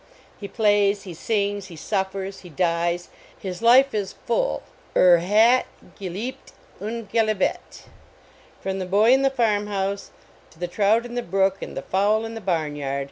Hi plays, he sings, he suffers, he dies; his life is full er hat gcliebt und gelcbet. From the boy in the farm house to the trout in the brook and the fowl in the barn yard.